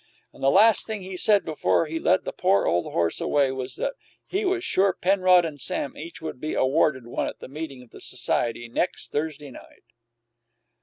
And the last thing he said before he led the poor old horse away was that he was sure Penrod and Sam each would be awarded one at the meeting of the society next Thursday night."